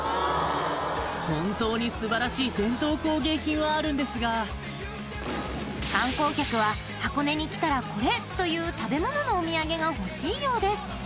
本当にすばらしい伝統工芸品はあるんですが観光客は「箱根に来たらこれ」という食べ物のお土産が欲しいようです